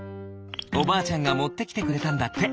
おばあちゃんがもってきてくれたんだって。